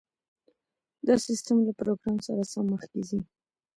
دا سیستم له پروګرام سره سم مخکې ځي